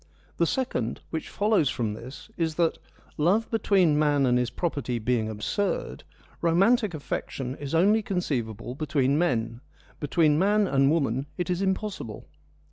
The second, which follows from this, is that, love between man and his property being absurd, romantic affection is only conceivable between men ; between man and woman it is im possible.